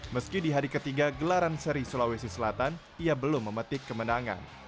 meski di hari ketiga gelaran seri sulawesi selatan ia belum memetik kemenangan